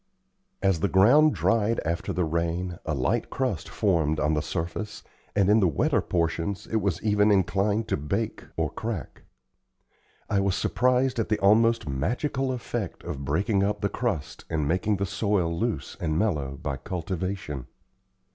As the ground dried after the rain, a light crust formed on the surface, and in the wetter portions it was even inclined to bake or crack. I was surprised at the almost magical effect of breaking up the crust and making the soil loose and mellow by cultivation.